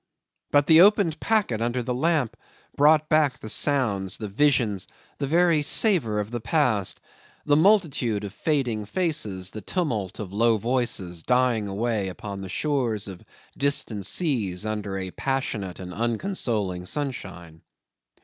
but the opened packet under the lamp brought back the sounds, the visions, the very savour of the past a multitude of fading faces, a tumult of low voices, dying away upon the shores of distant seas under a passionate and unconsoling sunshine.